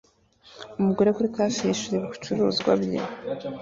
Umugore kuri kashi yishura ibicuruzwa bye